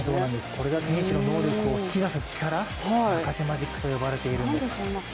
これだけ選手の能力を引き出す力ナカジマジックと呼ばれているんです。